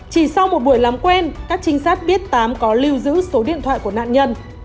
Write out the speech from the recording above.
chỉ sau một buổi làm quen các trinh sát biết tám có lưu giữ số điện thoại của nạn nhân